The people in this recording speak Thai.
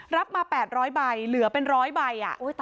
รับมา๘๐๐ใบเหลือเป็น๑๐๐ใบ